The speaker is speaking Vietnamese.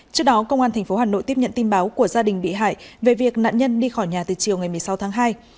trước đó công an tp hà nội tiếp nhận tin báo của gia đình bị hại về việc nạn nhân đi khỏi nhà từ chiều ngày một mươi sáu tháng hai